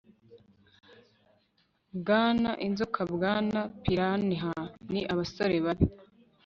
Bwana Inzoka Bwana Piranha Ni abasore babi